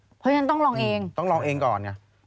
เพราะฉะนั้นต้องลองเองต้องลองเองก่อนไง